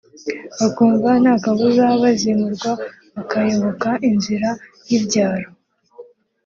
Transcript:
bakumva nta kabuza bazimurwa bakayoboka inzira y’ibyaro